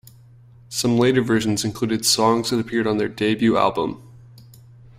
Some later versions included songs that appeared on their debut album.